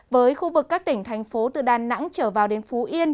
với khu vực các tỉnh thành phố từ đà nẵng trở vào đến phú yên